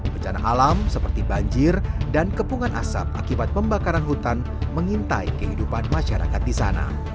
bencana alam seperti banjir dan kepungan asap akibat pembakaran hutan mengintai kehidupan masyarakat di sana